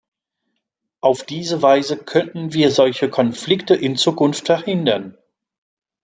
Auf diese Weise könnten wir solche Konflikte in Zukunft verhindern.